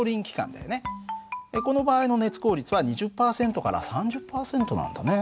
この場合の熱効率は２０％から３０％なんだね。